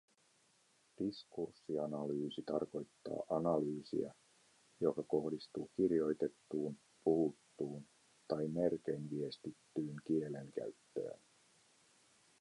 Diskurssianalyysi tarkoittaa analyysiä, joka kohdistuu kirjoitettuun, puhuttuun tai merkein viestittyyn kielen käyttöön